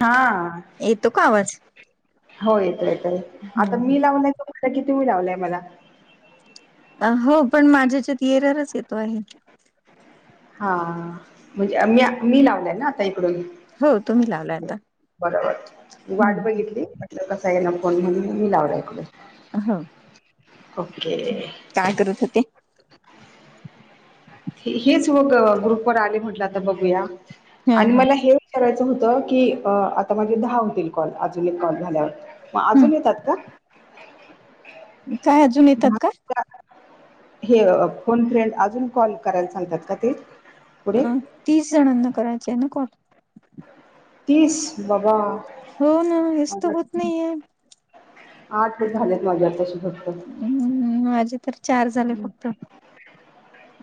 हां. येतो का आवाज? हो येतो येतोय आता हम्म. मी लावलाय की तुम्ही लावलाय मला? हो पण माझ्या याच्यात एररच येतो आहे. हां म्हणजे मी अ मी लावलंय ना आता इकडून हो तुम्ही लावला आता. बरोबर वाट हम्म बघितली. कसय ना फोन म्हणून मी लावला इकडून. हां ओके काय करत होते? हे हेचं मग अ गृपवर आले म्हटलं आता बघूया हं आणि हं मला हे विचारायचं होत की आता माझे दहा होतील कॉल अजून एक कॉल झाल्यावर म हं अजून येतात का? काय अजून येतात का? [unintelligible] हे फोन फ्रेंड अजून कॉल करायला सांगतात का ते? पुढे अ तीस जणांना करायच आहे ना कॉल. तीस! बाबा. हो ना हेच त होत नाही माझ्या आहेे. आठ झालेत माझ्या आताशी फक्त. हम्म हम्म हम्म माझे तर चार झाले फक्त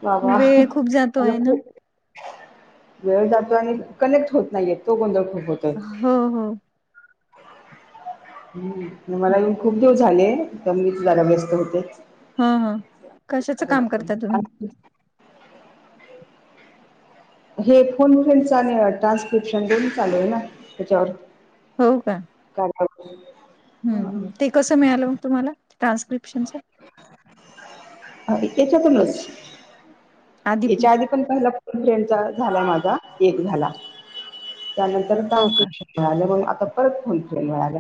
बाबा वेळ खूप जातो मला आहे ना. खूप वेळ जातोय आणि कनेक्ट होत नाहीयेत तो गोंधळ खूप होतो. हो हो. हम्म मला येऊन खूप दिवस झाले पण मीच जरा व्यस्त होते. हम्म हम्म कशाचं काम करता तुम्ही? आणि हे फोन फ्रेन्ड चा आणि ट्रान्स्क्रिप्शन दोन्ही चालू आहे ना त्याच्यावर. हो का? काल पासू हम्म हम्म ते कसं मिळालं मग तुम्हाला ट्रान्स्क्रिप्शनचं? अ इ येच्यातूनच. याच्या आधी पण पहिला फ्रेंडचा झाला माझा एक झाला त्यानंतर नंतर हो का? ट्रान्सस्क्रीप्शन मिळालं, मग आता परत फोन अ फ्रेंड मिळालं.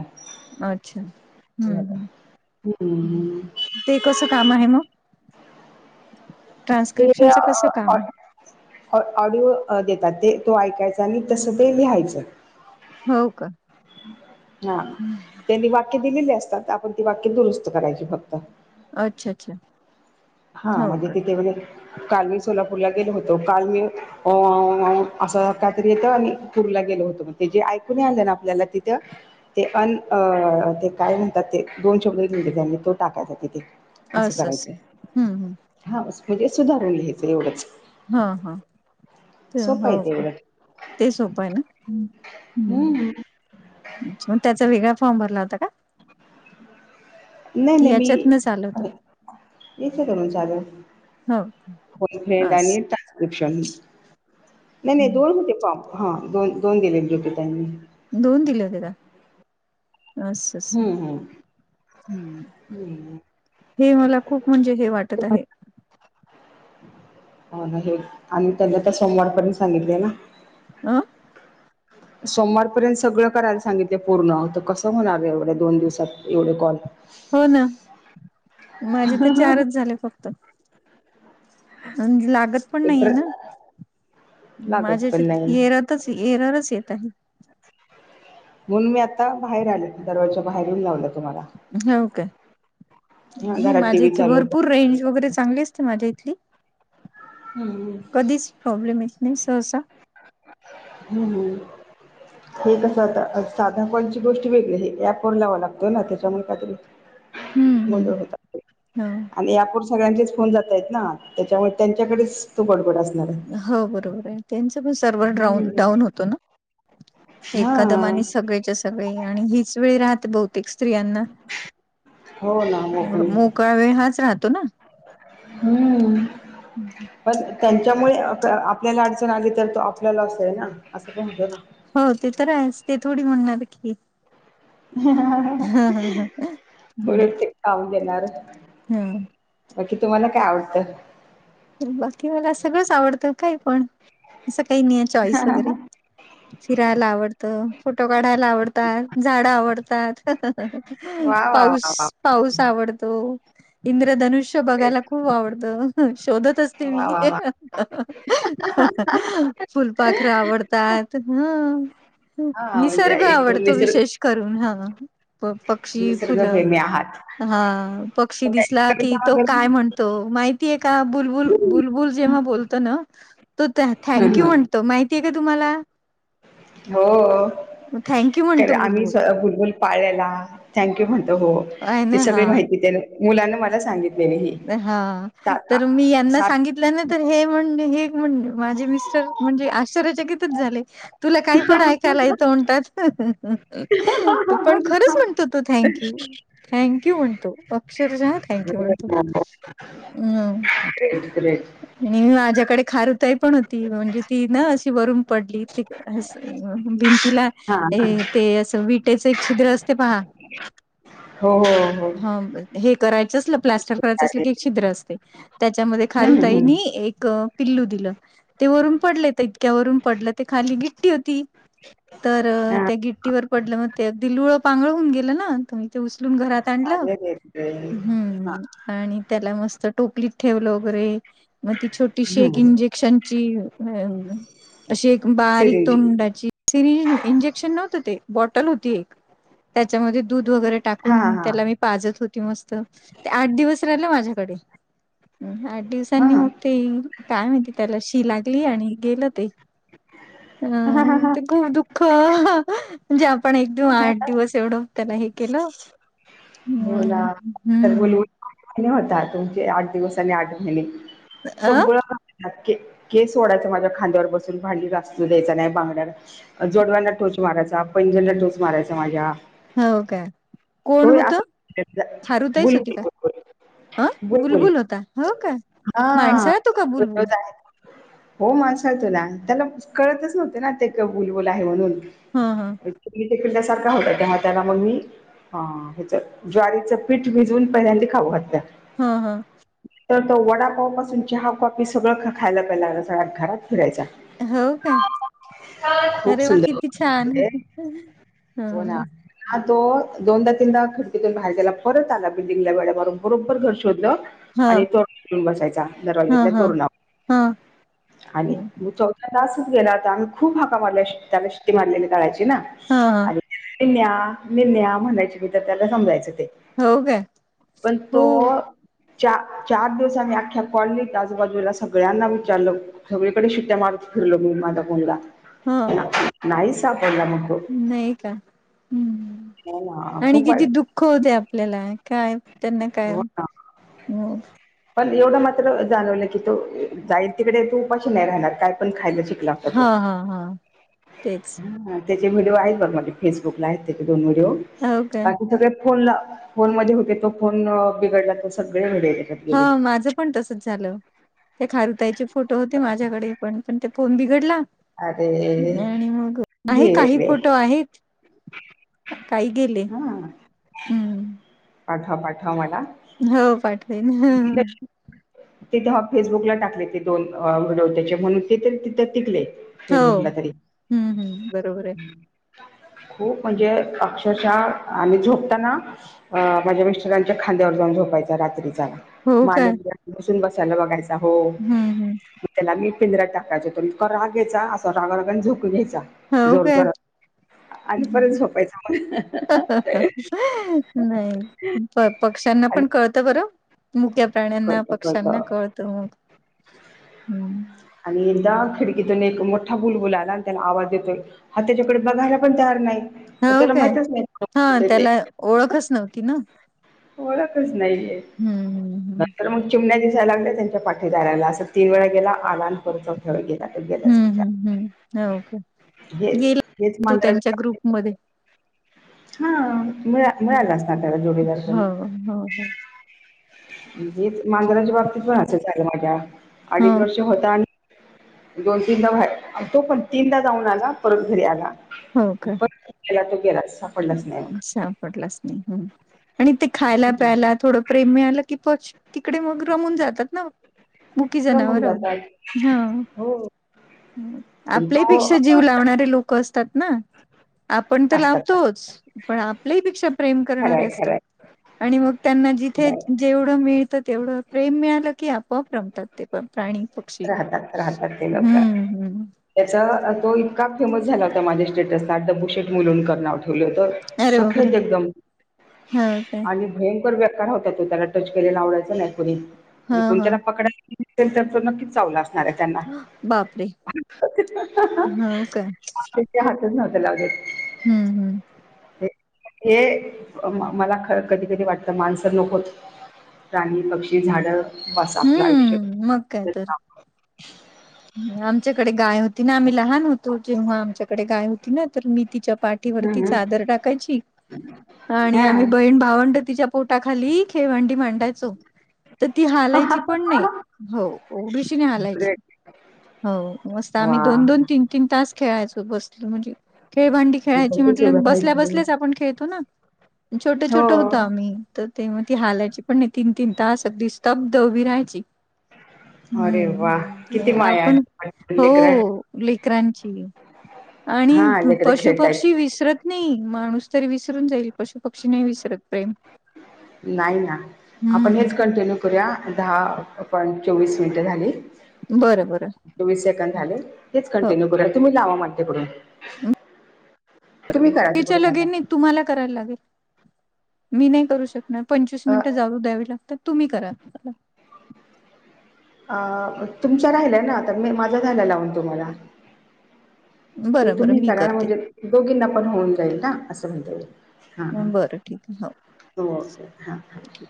अच्छा. हम्म हम्म. [unintelligible] ते कसं काम आहे मगं? ते ट्रान्स्क्रिप्शनचं कसं अ काम आहे? ट ऑडि ऑडिओ देतात ते तो ऐकायचा आणि तसं ते लिहायचं. हो का? हा त्यांनी वाक्य दिलेली असतात आपण ती वाक्य दुरुस्त करायची फक्त. अच्छा अच्छा. हा हो म्हणजे का ते तेवढे काल मी सोलापूरला गेलो होतो, काल मी ओ ओ ओ असं काहीतरी येतं आणि टूरला गेलो होतो म्हणून ते जे ऐकू नाही आलं ना आपल्याला तिथं ते अन अ ते काय म्हणतात ते दोन शब्द दिलेले त्यांनी तो टाकायचा तिथे. असं अस असच करायचं हम् ह हा म्हणजे सुधारून ल घहायचं एवढंच हा हा तर सोपं आहे हो का तेवढं ते सोपं आहे ना हम्म हम् च् मग त्याचा वेगळा फॉर्म भरला होता का नाही कि नाही मी याच्यातनच आलं होतं येतून चालू हो फ्रेंड आणि असं ट्रान्क्रिप्शन नाही नाही दोड हम्म होते पॉ हा दोन दोन दिलेले रोप त्यांांनी दोन दिले होते का अच्छा अच्छा हम्म हम्म हम्म हे मला खूप म्हणजे हे वाटत आहे हो हे आणि त्यांनी आता सोमवारपर्यंत सांगितलेय ना आम सोमवारपर्यंत सगळं करायला सांगितलं पूर्ण तर कसं होणार एवढ्या दोन दिवसात एवढे कॉल हो ना माझे तर चारच झाले फक्त लागत पण नाहीे एकतर ना लागत माझ्या पण नाही येरात च येरारच येत आहे म्हणून मी आता बाहेर आले दरवाजच्या बाहेर येऊन लावलं तुम्हाला हो काय हा नाही घरात टी माझे व्ही इथे चालू भरपूर रेंज वगैरे चांगलेच माझ्या इथली हम्म कधीच प्रॉब्लेम येत नाही सहसा हम्म हम हे कसं आता साधा कोणची गोष्टी वेगळी हे ऍप वर लावां लागतोय ना त्याच्यामुळे काहीतरी हम्म मज हम्म होता आणि यापूर सगळ्यांचेच फोन जात आहेत ना त्याच्यामुळे त्यांच्याकडेच तो गडबड असणार आहे हो बरोबर आहे त्यांच पण सर्वर डाउन हम्म. डाऊन होतो ना हा एकादम आणि सगळेच्या सगळे आणि हीच वेळी राहते बहुतेक स्त्रियांना हो ना मोकळी मोकळा वेळ हाच राहतो ना हम्म. पण त्यांच्यामुळे आपल्याला अडचण आली तर तो आपल्याला अस आहे ना असं पण होत ना हो ते तर आहेच ते थोडी म्हणणार की ह ह ह मुर हम्म ते काऊ देणार हा बाकी तुम्हाला काय आवडतं बाकी मला सगळंच आवडतं काय पण असं काही नाही आहे चॉईस वगैरे फिरायला आवडत फोटो काढायला आवडतात झाड आवडतात वा वा पाऊस वा वा पाऊस आवडत तो इंद्रधनुष्य बघायला ग्रेट खूप आवडतं शोधत असते वा मी वा वा फुलपाखर आवडतात ह हा म्हणजे निसर्ग एकूण आवडतो निसर्ग विशेष करून हा प पक्षी फुलं निसर्गप्रेमी आहात. हा पक्षी दिसला की कविता तो काय वगैरे म्हणतो माहि का बुलबुल बुलबुल जेव्हा बत ना त हं, थक यू हं. म्हणत त माहितीय का तुम्हाला हो थँक्यू त्या म्हणतो आम्ही बुलबुल. स्वः भुलबुल पाळलेला थँक यू म्हणतो हो आहे ना तेी सगळी हां माहिती त्या मुलांना मला सांगित हा तर मी यांना सात सांगित नंतर हे म्हण हे म्हण माझे मिस्टर म्हणजे आश्र्यचकितच झाले तुला काही पण ऐकायला येतं म्हणतात पण खरंच म्हणतो तो थँक यू थँंक यू म्हणतो अक्षरशहा थँक यू म्हणतो हंआ [unintelligible] नी मी माझ्याकडे खार ताई पण होती म्हणजे ती ना अशी वरून पडली ती अस म भिंतीला हा हे ते असं विटेचं एक छिद्र असते पहा [inaudible] हो हा हे करायचं असलं प्लास्टर करायचं असल की एक छिद्र असते त्याच्यामध्ये हम्म खारुताईनी हम्म एक पिल्लू दिलं. ते वरून पडले तर इतक्या वरून पडलं ते खाली गिट्टी होती. तर त्या गिट्टीवर पडलं मग ते अगदी लुळं पांगळ होऊन गेलं ना तर मी ते उचलून घरात आणलं अरे रे रे हा हम्म आणि त्याला मस्त टोपलीत ठेवलं. बरे मग ती छोटीशी एक इंजेक्शनची [unintelligible] अशी एक बारीक सिरिंज तोंडाची सिरी इंजेक्शन नव्हतं ते बॉटल होती एक त्याच्यामध्ये दूध वगैरे हा टाकून हा त्याला मी पाजत होती मस्त. ते आठ दिवस राहिल माझ्याकडे अम आठ हा दिवसांनी मग ते काय माहिती त्याला श ती लागली आणि गेलं ते. अ हा हा हा. ते खूप दुःख म्हणजे आपण एकदम आठ दिवस एवढं त्यांला हे केलं [inaudible] हो हम्म ना हम्म [unintelligible] होता तुमचे आठ दिवस आणि आठ महिने अ सगळं का के केस ओढायचा माझ्या खांद्यावर बसून भांडी घासू द्यायचा नाही बांगड्या जोडव्यांना टोच मारायचा, पैजण ला टोच मारायचा माझ्या हो का कोण तो होत? असा खारुताईच होती बुलबुल का? बुलबुल अ बुलबुल होता. हो का हा माणसाळतो का बुलबुल? वेगळंच आहे. हो माणसाळतो ना. त्याला कळतच नव्हते ना ते एक बुलबुल आहे म्हणून हा हा. अक्चुली एक पिल्ला सारखा होता तेव्हा त्याला मग मी हा ह्याच ज्वारीचं पीठ भिजवून पहिल्यांदी खाऊ घातल हा हा. तर तो वडापाव पासुन चहा कॉफी सगळं ख खायला प्यायला लागला सगळ्या घरात फिरायचा हो का. खूप अरे वा सुंदर किती छान होते. हं हो ना. हं. हा तो दोनदा तीनदा खिडकीतून बाहेर गेला परत आला बिल्डिंगला वेढा मारून बरोबर घर शोधलं ह आणि तोरण हुन बसायचा ह दरवाज्यातल्या ह तोरणा ह आणि हा चो त आसच गेला आता आम्ही खूप हाका मारल्या त्याला शिटी मारलेली कळायची ना हा. आणि निन्या निन्या म्हणायची मी तर त्याला समजायचं ते हो काय पण हो तो चा चार दिवस आम्ही अख्या कॉलनीत आजूबाजूला सगळ्यांना विचारलं सगळीकडे शिट्या मारत फिरलो मी माझा मुलगा हा. ना- नाही सापडला मग तो नाही का हो ना हम्म आणि खूप किती वाईट दुःख होते आपल्याला काय त्यांना काय हो ना मग पण एवढं मात्र जाणवलं की तो जाईल तिकडे तो उपाशी नाही राहणार काय पण खायला शिक ला होता हा तो. हा हा तेच [unintelligible] त्याचे व्हिडिओ आहेत बघ माझे फेसबुकला आहेत त्याचे दोन व्हिडिओ. हो काय बाकी सगळे फोनला फोन मध्ये होते तो फोन बिघडला तो सगळे व्हिडिओ त्याच्यात गेले. हा माझं पण तसच झालं ते खारुताईचे फोटो होते माझ्याकडे पण पण ते फोन बिघडला अरे आणि मग आहे काही गेले फोटो आहेत. कय गले हम्म पाठव पाठव मला हो पाठवे ना. तेिथे फेसबुकला टाकले ते दोन व्हिडिओ त्याचे म्हणून ते तिथे टिकले हो फेसबुकला तरी. हम्म हम्म बरोबर आहे खूप म्हणजे अक्षरशः आणि झोपताना अ माझ्या मिस्टरांच्या खांद्यावर जाऊन झोपायचा रात्रीचा. हो माने काय मध्ये घुसून बसायला बघायचा. राहो. हम्म हम्म त्याला मी पिंज्या टाकायच त. इतका राग यायचं. असा रागा रगाने झोके घ्यायचा. हो जोर काय जोर आणि हम्म. परत झोपायच म्हला नाही प पक्ष्यांना आणि पण कळतं बरं मुक्या प्राण्यांना कळतं पक्ष्यांना कळतं कळत तर हम्. आणि एकदा खिडकीतून एक मोठा बुलबुला आला आणि त्याला आवाज देतोय हा त्याच्याकडे बघायला पण तयार नाही. तर हाव त्याला काय माहितच नाही कोण हा बोलतंय ते त्याला ओळखच नव्हती ना. ओळखच नाही आहे. हम्म, हम्म नंतर मग चिमण्या दिसायलागले त्यांच्या पाठी दयला. असं तीन वेळा गेला आलान. करत हो गेला तर गेलाच हम्म जा. हम्म हम्म हो का हे गेला हेच तो त्यांच्या मांजराच्या बाबतीत ग्रुपमध्ये हा मिळा मिळाला असता त्याला जोडीदार पण. हा हा. हेच मांजराच्या बाबतीत पण असं झालं. माझ्या अडीच हं. वर्ष होता आणि दोन तीनदा बाहेर. तो पण तीनदा जाऊन आला. परत घरी आला हो आणि का पर गेला तो गेलाच सापडलाच नाही मग. सापडलाच नाही आणि ते खायला प्यायला थोडं प्रेम मिळालं की पच तिकडे मग रमून जातात ना. मुकी खरं म्हणून जनावर. जातात हा. हो पण तो आपल्यापेक्षा अ, जीव लावणारे लोक असतात ना. आपण तर लाव असतात असतात तोच पण आपल्याही पेक्षा प्रेम करणारे खरंय असतात. खरंय आणि मग त्यांना जिथे खरंय. जेवढं मिळतं तेवढं प्रेम मिळालं की आपोआप रमतात ते. प्राणी, पक्षी राहतात राहतात ते लोक हम्म हम्म. त्याचा तो इतका फेमस झाला होता माझ्या स्टेटसला. डब्बूशेट मुलूनकर नाव ठेवलं होतं. अरे बापरे सफद एकदम. हा काय आणि भयंकर बेकार होता तो. त्याला टच केलेला आवडायचा नाही कोणी. हा म्हणजे कोणी हा तेला पकडाल की तो त्याला नक्कीच चावला असत. नारे त्याना बापरे हो काय ते हातच नव्हंते लावले. हम्म. हम्म हे मला ख कधी कधी वाटतं. माणस नकोत. प्राणी, पक्षी, झाडं बस आपलं आयुष्य हम्म. मग काय तर. आमच्याकडे गाय होती ना. आम्ही लहान होतो. जेव्हा आमच्याकडे गाय होती ना तर मी तिच्या पाठीवरती हम्म हम्म चादर टाकायची आणि हा आम्ही बहीण भावंड तिच्या पोटाखाली. खेळवांडी मांडायचो. तर ती हालायची पण नाही. हो उभिषिणी हालायची. ग्रेट हो मस्त आम्ही वा! दोन दोन तीन तीन तास खेळायचो बसलो म्हणजे खेळ भांडी खेळायची तशीच म्हटल उभं बसल्या राहायची. बसल्याच आपण खेळतो ना छोटं छोट होतं हो. आम्ही. तर ते मग ती हालायची पण नाही तीन तीन तास अगदी स्तब्ध उभी राहायची. अरे वा किती हम्म माया आपण हो लेकर लेकरांची. आणि हा लेकर पशु पक्षी खेळतायत विसरत नाही माणूस तरी विसरून जाईल पशु पक्षी नाही विसरत प्रेम. नाही ना आपण हेच हम्म कंटिन्यू करूया दहा पॉ चोवीस मिनटं झाली. बरं बरं चोवीस सेकंद झाले. तेच हो कंटिन्यू कूरा तुम्ही लावा मतेकडून तुम्ही बरोबर करा त्याच्या तीकडून आता. लगेने तुम्हाला करायला लागेल मी नाही करू शकणार पंचवीस अ मिनिटं जाऊू द्यावी लागतात. तुम्ही करा. अ तुमच्या राहिल्या ना आता मी माझ्या झाला लावून तुम्हाला. तर बरं बरं तुम्ही मी करा ना करते म्हणजे दोघींना पण होऊन जाईल ना. असं म्हणता येईल. हा ह. बरं ठीक आहे हो ओके हां हां ठीक.